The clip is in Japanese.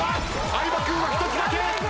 相葉君は１つだけ。